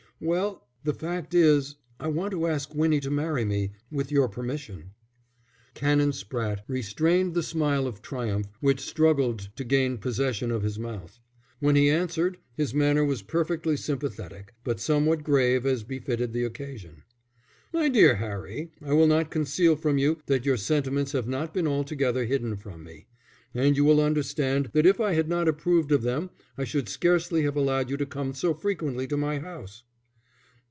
"Well, the fact is I want to ask Winnie to marry me, with your permission." Canon Spratte restrained the smile of triumph which struggled to gain possession of his mouth. When he answered, his manner was perfectly sympathetic, but somewhat grave as befitted the occasion. "My dear Harry, I will not conceal from you that your sentiments have not been altogether hidden from me. And you will understand that if I had not approved of them I should scarcely have allowed you to come so frequently to my house."